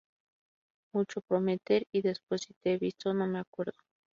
Mucho prometer y después si te he visto no me acuerdo